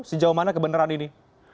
sejauh mana kebenaran ini